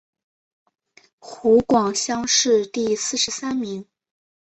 湖广乡试第四十三名。